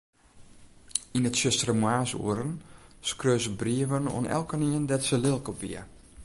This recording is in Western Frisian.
Yn 'e tsjustere moarnsoeren skreau se brieven oan elkenien dêr't se lilk op wie.